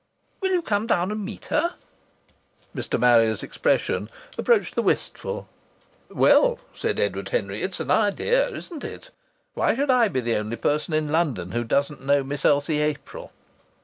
"Will you come down and meet her?" Mr. Marrier's expression approached the wistful. "Well," said Edward Henry, "it's an idea, isn't it? Why should I be the only person in London who doesn't know Miss Elsie April?"